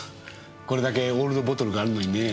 これだけオールドボトルがあるのにね。